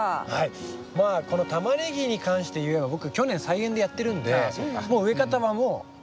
まあこのタマネギに関していえば僕去年菜園でやってるんで植え方はもう完璧です。